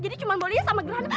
jadi cuma boleh sama gerhana